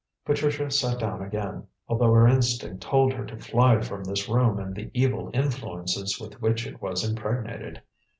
Patricia sat down again, although her instinct told her to fly from this room and the evil influences with which it was impregnated.